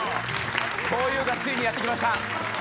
ふぉゆがついにやって来ました！